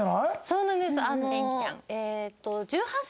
そうなんです。